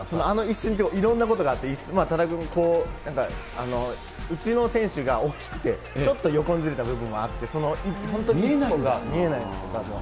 あの一瞬にいろんなことがあって、多田君、うちの選手が大きくて、ちょっと横にずれた部分があって、その本当に一歩が見えないんですよ。